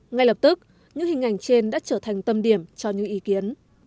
ngay lập tức những hình ảnh trên đã trở thành tâm điểm cho những ý kiến